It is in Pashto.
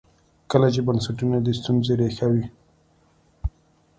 کله چې بنسټونه د ستونزې ریښه وي.